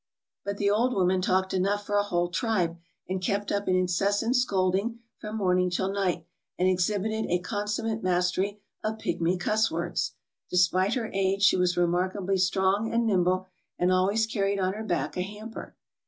But the old woman talked enough for a whole tribe and kept up an incessant scolding from morning till night, and exhibited a consummate mastery of pigmy cuss words. Despite her age she was remarkably strong and nimble, and always car ried on her back a hamper.